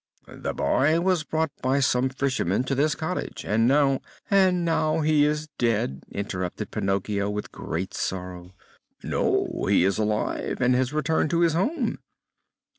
"The boy was brought by some fishermen to this cottage, and now " "And now he is dead!" interrupted Pinocchio with great sorrow. "No, he is alive and has returned to his home."